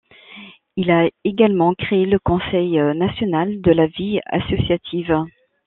Il a également créé le Conseil national de la vie associative.